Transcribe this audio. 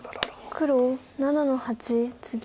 黒７の八ツギ。